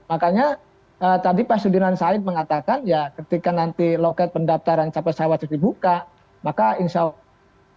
makanya tadi pak sudiran said mengatakan ya ketika nanti loket pendaftaran capai sawah itu dibuka maka insya allah